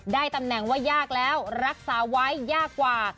ตำแหน่งว่ายากแล้วรักษาไว้ยากกว่า